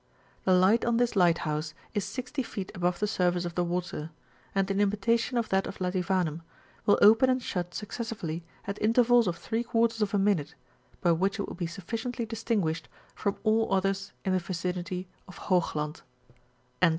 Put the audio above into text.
The light on this lighthouse is 60 feet above the surface of the water; and, in imitation of that of Lativanem, will open and shut successively at intervals of three quarters of a minute, by which it will be sufficiently distingmshed from all others in tiie vicinity of Hoogland."